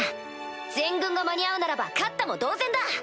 全軍が間に合うならば勝ったも同然だ！